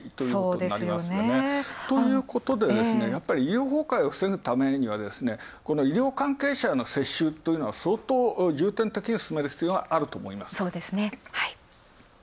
そうですよね。ということで、やっぱり、医療崩壊を防ぐためには医療関係者への接種というのは、相当重点的に進める必要があると思います。